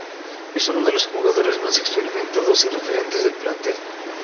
Es uno de los jugadores más experimentados y referentes del plantel.